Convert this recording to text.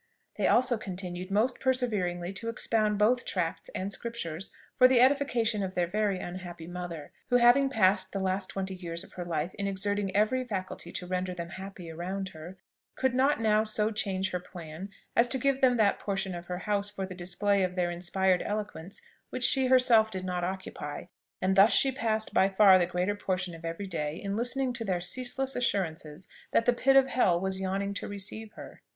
They also continued most perseveringly to expound both tracts and Scriptures for the edification of their very unhappy mother; who having passed the last twenty years of her life in exerting every faculty to render them happy around her, could not now so change her plan as to give them that portion of her house for the display of their inspired eloquence which she herself did not occupy and thus she passed by far the greater portion of every day in listening to their ceaseless assurances that the pit of hell was yawning to receive her.